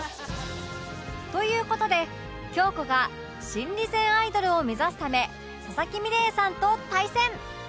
という事で京子が心理戦アイドルを目指すため佐々木美玲さんと対戦